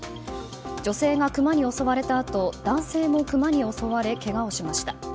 女性がクマに襲われたあと男性もクマに襲われけがをしました。